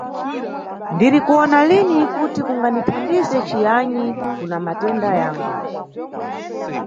Ndirikuwona lini kuti kungandithandize ciyani kuna matenda yangu.